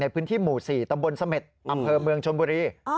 พื้นที่หมู่๔ตำบลเสม็ดอำเภอเมืองชนบุรี